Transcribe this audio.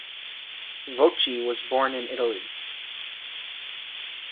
Voci was born in Italy.